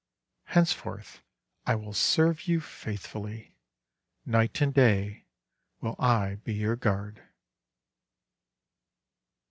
Henceforth I will serve you faithfully. Night and day will I be your guard."